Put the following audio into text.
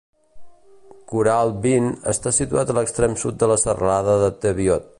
Kooralbyn està situat a l'extrem sud de la serralada de Teviot.